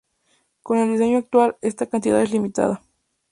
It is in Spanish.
Con el diseño actual, esta cantidad es limitada.